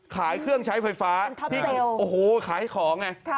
ขายเครื่องใช้ไฟฟ้าเป็นท็อปเซลโอ้โหขายของไงค่ะ